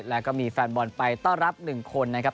แล้วก็มีแฟนบอลไปต้อนรับ๑คนนะครับ